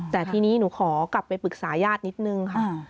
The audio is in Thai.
แต่ทีนี้หนูขอกลับไปปรึกษาญาตินิดนึงค่ะ